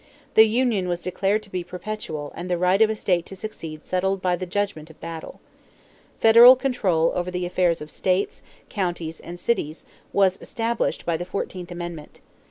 The union was declared to be perpetual and the right of a state to secede settled by the judgment of battle. Federal control over the affairs of states, counties, and cities was established by the fourteenth amendment.